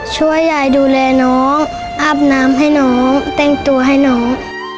ช่วยยายดูแลน้องอาบน้ำให้น้องแต่งตัวให้น้อง